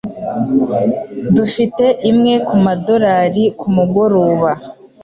Dufite imwe kumadorari kumugoroba.